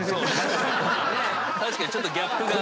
確かにちょっとギャップが。